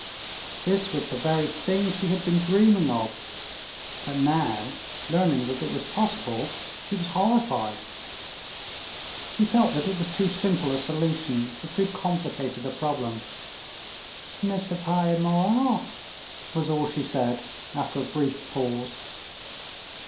This was the very thing she had been dreaming of, but now learning that it was possible, she was horrified. She felt that it was too simple a solution of too complicated a problem. "N'est ce pas immoral?" was all she said, after a brief pause.